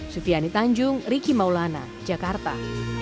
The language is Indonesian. sufiani tanjung riki maulana jakarta